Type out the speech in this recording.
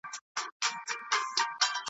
د بلبلو په قفس کي له داستان سره همزولی .